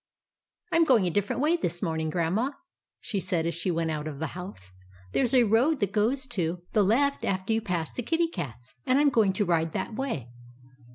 " I 'm going a different way, this morn ing, Grandma," she said, as she went out of the house. "There's a road that goes to THE GIANT'S CASTLE 159 the left after you pass the Kitty Cat's, and I 'm going to ride that way."